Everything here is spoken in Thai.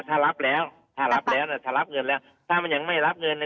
ถ้ารับแล้วถ้ารับแล้วเนี่ยถ้ารับเงินแล้วถ้ามันยังไม่รับเงินเนี่ย